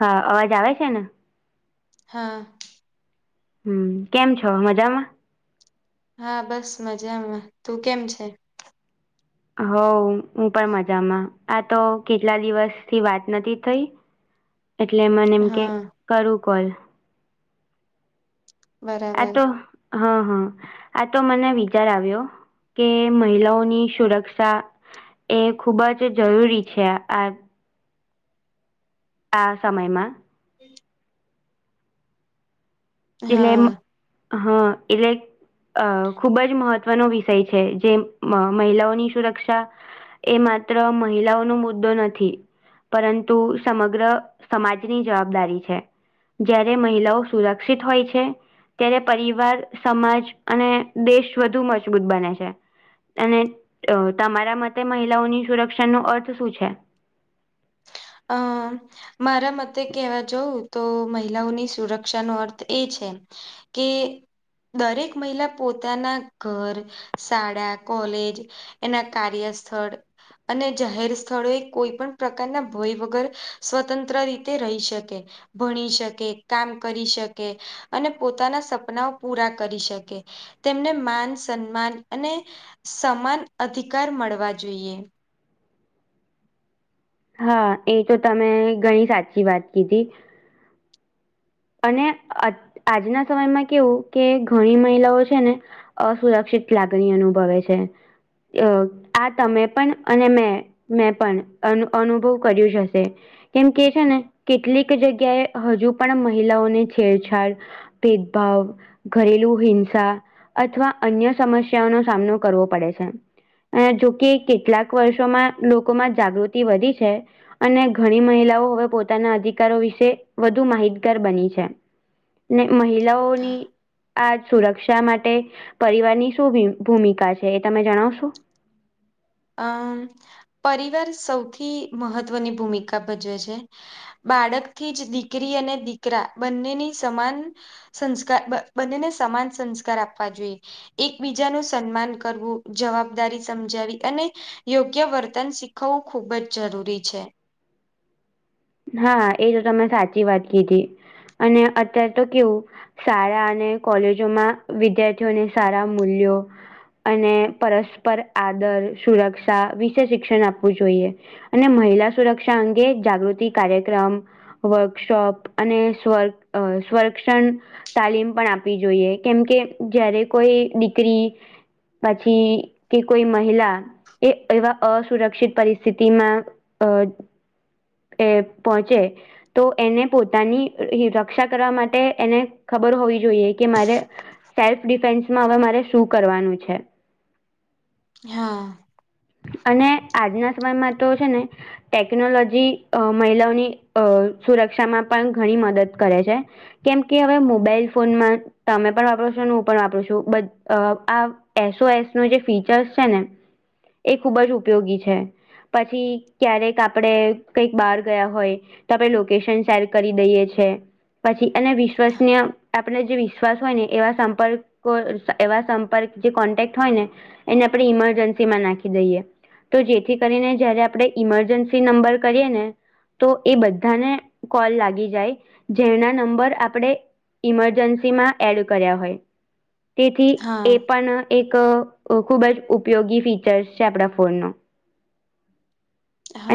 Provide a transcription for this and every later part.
હા અવાજ આવે છે ને. હા. હમ કેમ છો મજામાં? હા બસ મજામાં તું કેમ છે? હવ હું પણ મજામાં આ તો કેટલા દિવસ થી વાત નથી થઈ એટલે મને એમ કે હા કરું કોલ. આ બરાબર તો હા હા આ તો મને વિચાર આવ્યો કે મહિલાઓની સુરક્ષા એ ખુબ જ જરૂરી છે આ આ સમયમાં. [inaudible] એટલે હા હા એટલે અ ખૂબ જ મહત્વનો વિષય છે જે મહિલાઓની સુરક્ષા એ માત્ર મહિલાઓનો મુદ્દો નથી. પરંતુ સમગ્ર સમાજની જવાબદારી છે જ્યારે મહિલાઓ સુરક્ષ વિકસિત હોય છે ત્યારે પરિવાર સમાજ અને દેશ વધુ મજબૂત બને છે. અને તમારા મતે મહિલાઓની સુરક્ષાનો અર્થ શું છે? અ- મારા મતે કહેવા જોવ તો મહિલાઓની સુરક્ષાનો અર્થ એ છે કે દરેક મહિલા પોતાના ઘર શાળા કોલેજ એના કાર્ય સ્થળ અને જાહેર સ્થળો એ કોઈ પણ પ્રકારના ભય વગર સ્વતંત્ર રીતે રહી શકે ભણી શકે કામ કરી શકે અને પોતાના સપનાઓ પૂરા કરી શકે તેમને માન સન્માન અને સમાન અધિકાર મળવા જોઈએ. હા એ તો તમે ઘણી સાચી વાત કીધી. અને આજના સમયમાં કેવું કે ઘણી મહિલાઓ છે ને અસુરક્ષિત લાગણી અનુભવે છે આ તમે પણ અને મેં મેં પણ અનુ અનુભવ કર્યું હશે. કેમ કે છે ને કેટલીક જગ્યાએ હજુ પણ મહિલાઓને છેડછાડ ભેદભાવ ઘરેલુ હિંસા અથવા અન્ય સમસ્યાઓનો સામનો કરવો પડે છે. અ જોકે કેટલાક વર્ષોમાં લોકોમાં જાગૃતિ વધી છે. અને ઘણી મહિલાઓ હવે પોતાના અધિકારો વિશે વધુ માહિત તર બની છે ને હા મહિલાઓની આજ સુરક્ષા માટે પરિવારની શું ભૂમિકા છે એ તમે જણાવશો. અમ પરિવાર સૌથી મહત્વની ભૂમિકા ભજવે છે. બાળકથી જ દીકરી અને દીકરા બંનેની સમાન સંસ્કાર બંનેને સમાન સંસ્કાર આપવા જોઈએ. એકબીજાનુ સન્માન કરવું જવાબદારી સમજાવી અને યોગ્ય વર્તન શીખવવું ખુબ જ જરૂરી છે. હા એ તો તમે સાચી વાત કીધી અને અત્યારે તો કેવું શાળા અને કોલેજોમાં વિદ્યાર્થીઓને સારા મૂલ્યો અને પરસ્પર આદર સુરક્ષા વિશે શિક્ષણ આપવું જોઈએ. અને મહિલા સુરક્ષા અંગે જાગૃતિ કાર્યક્રમ વર્કશોપ અને સ્વ સ્વરક્ષણ તાલીમ પણ આપવી જોઈએ કેમકે જયારે કોઈ દીકરી પછી કે કોઈ મહિલા એ એવા અસુરક્ષિત પરિસ્થિતિમાં અ એ પહોંચે તો એને પોતાની રક્ષા કરવા માટે એને ખબર હોવી જોઈએ કે મારે સેલ્ફ ડિફેન્સમાં હવે મારે શું કરવાનું છે. હા અને આજના સમયમાં તો છેને ટેકનોલોજી મહિલાઓની અ સુરક્ષામાં પણ ઘણી મદદ કરે છે. કેમ કે હવે મોબાઈલ ફોનમાં તમે પણ વાપરો છો અને હું પણ વાપર છું બ આ એસ ઓ એસ નો જે ફીચર્સ છેને એ ખૂબ જ ઉપયોગી છે પછી ક્યારેક આપણે કઈક બહાર ગયા હોય. તો આપણે લોકેશન શેર કરી દઈએ છી. પછી અને વિશ્વસનીય આપને જે વિશ્વાસ હોય ને એવા સંપર્કો એવા સંપર્ક જે કોન્ટેક્ટ હોય ને એને આપડણે ઇમરજન્સી માં નાખી દઈએ તો જેથી કરીને જયારે આપણે ઈમરજન્સી નંબર કરીએ ને તો એ બધાને કોલ લાગી જાય જેના નંબર આપણે ઇમરજન્સીમાં એડ કર્યા હોય. તેથી એ હા, પણ એક ખુબ જ ઉપયોગી ફીચરસ આપણા ફોન નો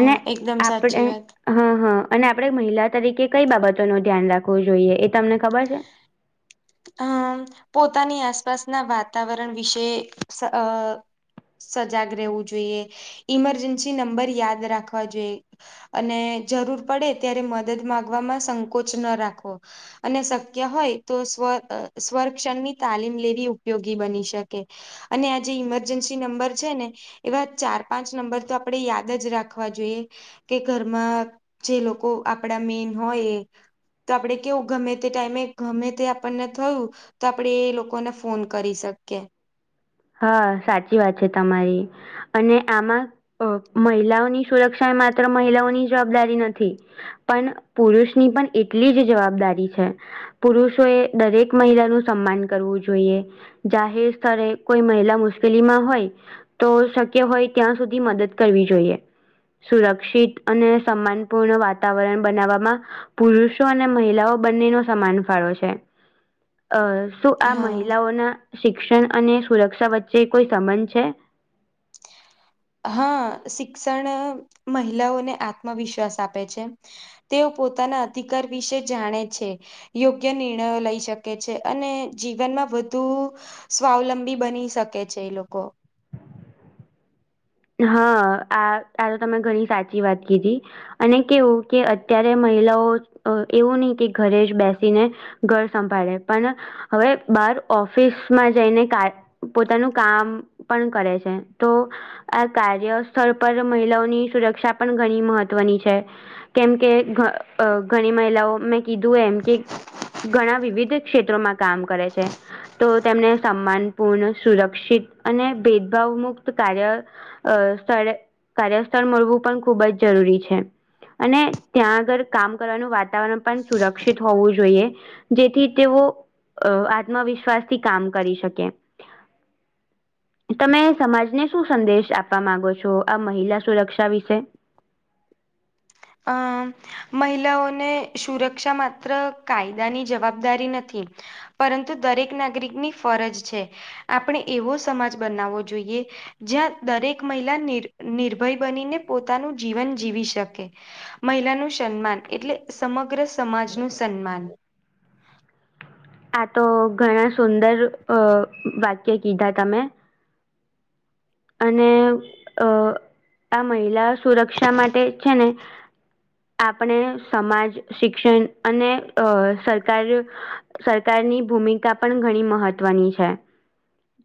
અને એકદમ આપણે સાચી વાત. હા હા અને આપણે મહિલા તરીકે કઈ બાબતો નું ધ્યાન રાખવું જોઈએ એ તમને ખબર છે. હમ, પોતાની આસપાસના વાતાવરણ વિશે સજાગ રહેવું જોઈએ ઈમરજન્સી નંબર યાદ રાખવા જોઈએ અને જરૂર પડે ત્યારે મદદ મામાંગવામાં સંકોચ ન રાખવો અને શક્ય હોય, તો સ્વ સ્વરક્ષણની તાલીમ લેવી ઉપયોગી બની શકે અને આ જે ઈમરજન્સી નંબર છેને. એવા ચાર પાંચ નંબર તો આપણે યાદ જ રાખવા જોઈએ. કે ઘરમાં જે લોકો આપડા મેન હોય એ તો આપડણે કેવું ગમે તે ટાઈમે ગમે તે આપણને થયું તો આપડે એ લોકોને ફોન કરી શકીએ. હા સાચી વાત છે. તમારી અને આમાં અ મહિલાઓની સુરક્ષા એ માત્ર મહિલાઓની જવાબદારી નથી. પણ પુરુષની પણ એટલી જ જવાબદારી છે. પુરુષોએ દરેક મહિલાનું સન્માન કરવું જોઈએ જાહેર સ્થળે કોઈ મહિલા મુશ્કેલીમાં હોય તો શક્ય હોય ત્યાં સુધી મદદ કરવી જોઈએ સુરક્ષિત અને સમાનપૂર્ણ વાતાવરણ બનાવવામાં પુરુષો અને મહિલાઓ બંનેનો સમાન ફાળો છે અ શું આ હા મહિલાઓના શિક્ષણ અને સુરક્ષા વચ્ચે કોઈ સંબંધ છે. હા શિક્ષણ મહિલાઓને આત્મવિશ્વાસ આપે છે. તેઓ પોતાના અધિકાર વિશે જાણે છે. યોગ્ય નિર્ણયો લઈ શકે છે. અને જીવનમાં વધુ સ્વાવલંબી બની શકે છે. એ લોકો હા, આ આ તો તમે ઘણી સાચી વાત કીધી અને કેવું કે અત્યારે મહિલાઓ એવું નહી કે ઘરે જ બેસીને ઘર સંભાળે પણ હવે બાર ઓફિસમાં જઈને પોતાનું કામ પણ કરે છે. તો આ કાર્ય સ્થળ પર મહિલાઓની સુરક્ષા પણ ઘણી મહત્વની છે. કેમ કે ઘણી મહિલાઓ, મેં કીધું એમ કે ઘણા વિવિધ ક્ષેત્રોમાં કામ કરે છે. તો તેમને સમાન પૂર્ણ સુરક્ષિત અને ભેદભાવ મુક્ત કાર્ય અ સ્થળે કાર્યસ્થળ મળવું પણ ખૂબ જ જરૂરી છે. અને ત્યાં આગળ કામ કરવાનું વાતાવરણ પણ સુરક્ષિત હોવું જોઈએ. જેથી તેઓ આત્મવિશ્વાસથી કામ કરી શકે. તમે સમાજને શું સંદેશ આપવા માંગો છો આ મહિલા સુરક્ષા વિશે. અમ મહિલાઓને સુરક્ષા માત્ર કાયદાની જવાબદારી નથી. પરંતુ દરેક નાગરિકની ફરજ છે આપણે એવો સમાજ બનાવવો જોઈએ. જ્યાં દરેક મહિલા નિ નિર્ભય બનીને પોતાનું જીવન જીવી શકે. મહિલાનું સન્માન એટલે સમગ્ર સમાજ નું સન્માન. આ તો ઘણા સુંદર અ વાક્ય કીધા તમે. અને અ આ મહિલા સુરક્ષા માટે છે ને. આપણે સમાજ શિક્ષણ અને અ સરકાર સરકારની ભૂમિકા પણ ઘણી મહત્વની છે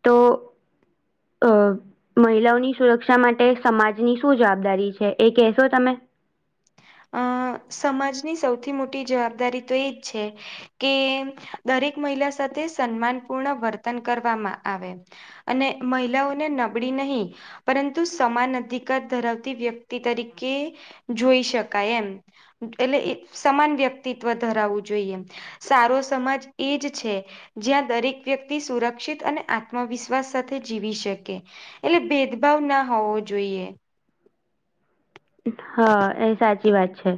તો અ. મહિલાઓની સુરક્ષા માટે સમાજની શું જવાબદારી છે એ કેહેશો તમે. અ સમાજની સૌથી મોટી જવાબદારી તો એજ છે. કે દરેક મહિલા સાથે સન્માન પૂર્ણ વર્તન કરવામાં આવે અને મહિલાઓને નબળી નહી પરંતુ સમાન અધિકાર ધરાવતી વ્યક્તિ તરીકે જોઈ શકે. એમ એટલે સમાન વ્યક્તિત્વ ધરાવવું જોઈએ. સારો સમાજ એજ છે. જ્યાં દરેક વ્યક્તિ સુરક્ષિત અને આત્મવિશ્વાસ સાથે જીવી શકે. એટલે ભેદભાવ ના હોવો જોઈએ. હા એ સાચી વાત છે.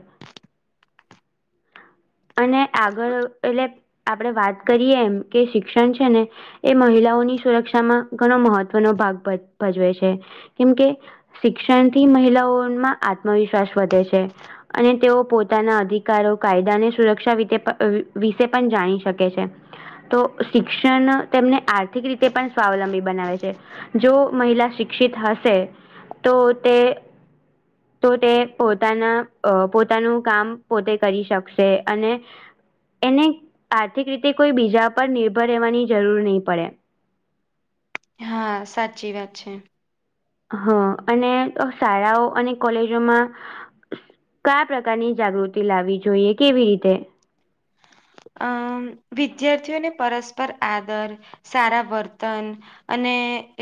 અને આગળ એટલે આપડે વાત કરીએ એમ કે શિક્ષણ છે ને એ મહિલાઓની સુરક્ષામાં ઘણો મહત્વનો ભાગ ભજવે છે કેમ કે શિક્ષણ થી મહિલાઓમાં આત્મવિશ્વાસ વધે છે અને તેઓ પોતાના અધિકારો કાયદા ને. સુરક્ષા વિશે પણ જાણી શકે છે. તો શિક્ષણ તેમને આર્થિક રીતે પણ સ્વાવલંબી બનાવે છે. જો મહિલા શિક્ષિત હશે તો તે તો તે પોતાના પોતાનું કામ પોતે કરી શકશે છે અને એને આર્થિક રીતે કોઈ બીજા પર નિર્ભર રહેવાની જરૂર નહીં પડે હા સાચી વાત છે હા અને શાળાઓ અને કોલેજોમાં કયા પ્રકારની જાગૃતિ લાવવી જોઈએ કેવી રીતે. અમ વિદ્યાર્થીઓને પરસ્પર આદર સારા વર્તન. અને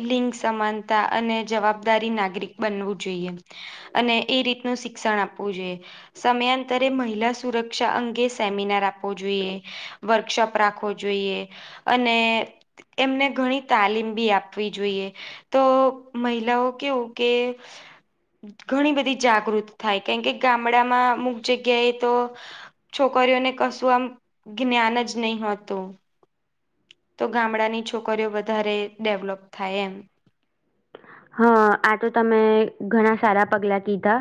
લિંગ સમાનતા અને જવાબદારી નાગરિક બનવું જોઈએ. અને એ રીતનું શિક્ષણ આપવું જોઈએ સમયાંતરે મહિલા સુરક્ષા અંગે સેમિનાર આપો છો વર્કશોપ રાખવો જોઈએ અને એમને ઘણી તાલીમ બી આપવી જોઈએ તો મહિલાઓ કેવું કે ઘણી બધી જાગૃત થાય કારમ કે ગામડામાં અમુક જગ્યાએ તો છોકરીઓને કશું આમ જ્ઞાન જ નઈ હોતું તો ગામડાની છોકરીઓ વધારે ડેવલોપ થાય એમ હા આ તો તમે ઘણા સારા પગલા કીધા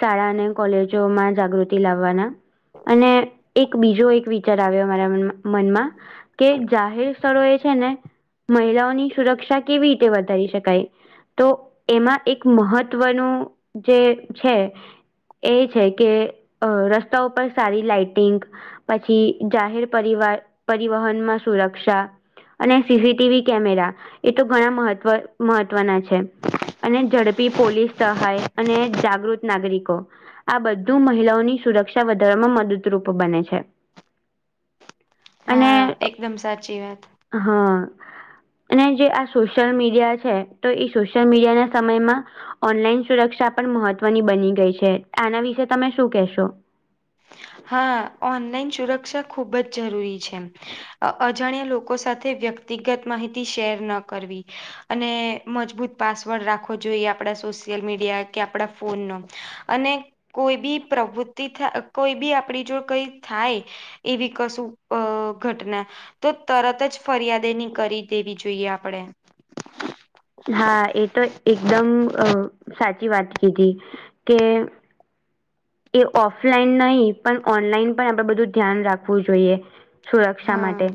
શાળા અને કોલેજો માં જાગૃતિ લાવવાના અને એક બીજો એક વિચાર આવ્યો અમારા મનમાં કે જાહેર સ્થળો એ છે ને મહિલાઓની સુરક્ષા કેવી રીતે વધારી શકાય તો એમાં એક મહત્વનું જે છે. એ છે કે રસ્તા ઉપર સારી લાઈટિંગ. પછી જાહેર પરવા પરિવહનમાં સુરક્ષા. અને સીસીટીવી કેમેરા એ તો ઘણા મહત્વ મહત્વના છે. અને ઝડપી પોલીસ સહાય અને જાગૃત નાગરિકો. આ બધું મહિલાઓની સુરક્ષા વધારવામાં મદદરૂપ બને છે. અને. હા એકદમ સાચી વાત હા અને જે આ સોશિયલ મીડિયા છે તો. સોશિયલ મીડિયા ના સમયમાં. ઓનલાઈન સુરક્ષા પણ મહત્વની બની ગઈ છે આના વિશે તમે શું કેહેશો. હા ઓનલાઈન સુરક્ષા ખુબ જ જરૂરી છે. અજાણ્યા લોકો સાથે વ્યક્તિગત માહિતી શેર ન કરવી. અને મજબૂત પાસવર્ડ રાખવો જોઈએ આપડા સોશિયલ મીડિયા કે આપડા ફોન નો. અને કોઈ બી પ્રવૃત્તિ કોઈ બી આપડી જો કઈ થાય. એવી કશું અ ઘટના. તો તરત જ ફરિયાદ એની કરી દેવી જોઈએ આપડે. હા એ તો એકદમ સાચી વાત કીધી કે. એ ઓફલાઈન નહીં પણ ઓનલાઈન પણ આપડે બધું ધ્યાન રાખવું જોઈએ. સુરક્ષા હા માટે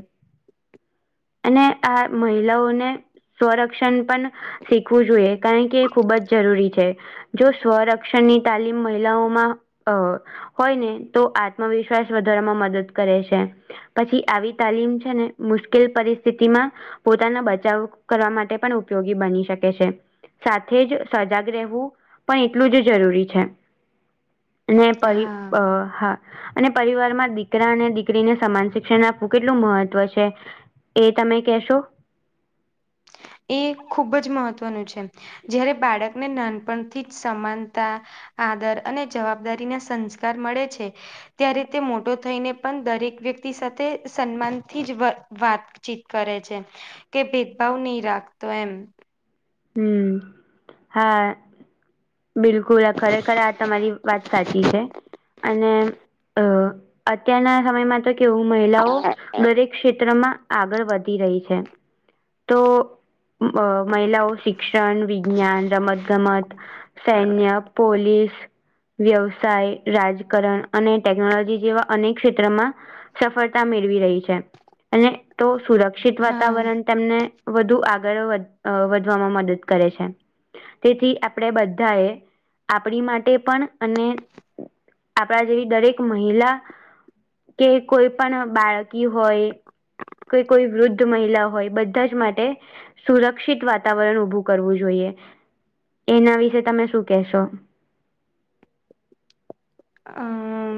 અને આ મહિલાઓને. સ્વરક્ષણ પણ શીખવું જોઈએ કારણ કે એ ખુબ જ જરૂરી છે. જો સ્વરક્ષણની તાલીમ મહિલાઓમાં અ હોય ને તો આત્મવિશ્વાસ વધારવામાં મદદ કરે છે. પછી આવી તાલીમ છે ને મુશ્કેલ પરિસ્થિતિમાં. પોતાનો બચાવ કરવા માટે પણ ઉપયોગી બની શકે છે. સાથે જ સજાગ રહેવું પણ એટલું જ જરૂરી છે. ને પરી અ હા હા. અને પરિવારમાં દીકરા અને દીકરીને સમાન શિક્ષણ આપવું કેટલું મહત્વ છે. એ તમે કહેશો. એ ખૂબ જ મહત્વનું છે જયારે બાળકને નાનપણથી જ સમાનતા. આદર અને જવાબદારી ના સંસ્કાર મળે છે. ત્યારે તે મોટો થઈને પણ દરેક વ્યક્તિ સાથે સન્માનથી જ વાત. વાચીત કરે છે કે ભેદભાવ નહી રાખતો એમ. હમ હા. બિલકુલ આ ખરેખર આ તમારી વાત સાચી છે અને અ. અત્યારના સમયમાં તો કેવું મહિલાઓ દરેક ક્ષેત્રમાં. આગળ વધી રહી છે તો મહિલાઓ. શિક્ષણ, વિજ્ઞાન, રમત-ગમત, સૈન્ય, પોલીસ વ્યવસાય, રાજકારણ અને ટેકનોલોજી જેવા અનેક ક્ષેત્રમાં સફળતા મેળવી રહી છે. અને તો સુરક્ષિત હા વાતાવરણ તેમને વધુ આગળ વધ વધ. મદદ કરે છે. તેથી આપણે બધા એ આપણી માટે પણ અને. આપણા જેવી દરેક મહિલા. કે કોઈ પણ બાળકી હોય. કે કોઈ વૃદ્ધ મહિલા હોય બધા જ માટે સુરક્ષિત વાત. વાતાવરણ ઉભું કરવું જોઈએ એના વિશે તમે શું કેહેશો. આ.